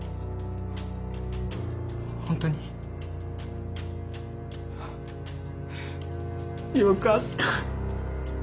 本当に？あよかった。